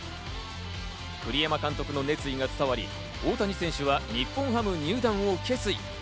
栗山監督の熱意が伝わり、大谷選手は日本ハム入団を決意。